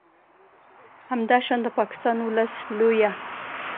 همداشان د پاکستان ولس لویه ب